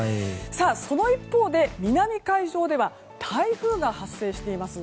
その一方で南海上では台風が発生しています。